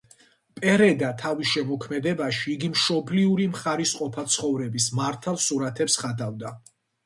პერედა თავის შემოქმედებაში იგი მშობლიური მხარის ყოფა-ცხოვრების მართალ სურათებს ხატავდა.